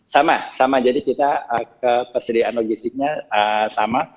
sama sama jadi kita ketersediaan logistiknya sama